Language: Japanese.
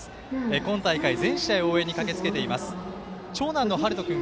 今大会、全試合応援に駆けつけています。